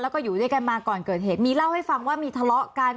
แล้วก็อยู่ด้วยกันมาก่อนเกิดเหตุมีเล่าให้ฟังว่ามีทะเลาะกัน